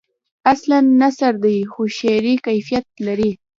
اصلاً نثر دی خو شعری کیفیت لري.